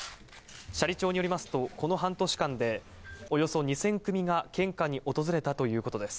斜里町によりますと、この半年間で、およそ２０００組が献花に訪れたということです。